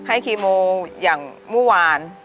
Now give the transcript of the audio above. ให้คีโมอย่างมุ่งวาน